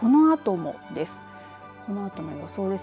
そして、このあともです。